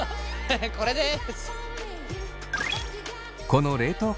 これです！